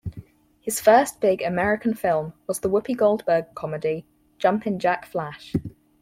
His first big American film was the Whoopi Goldberg comedy "Jumpin' Jack Flash".